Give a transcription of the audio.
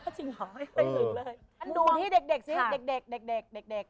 ดูที่เด็กสิ